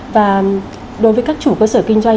và đối với các chủ cơ sở kinh doanh